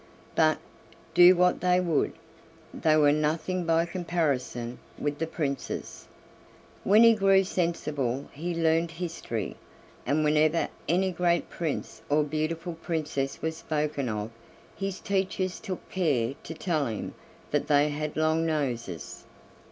But, do what they would, they were nothing by comparison with the Prince's. When he grew sensible he learned history; and whenever any great prince or beautiful princess was spoken of, his teachers took care to tell him that they had long noses.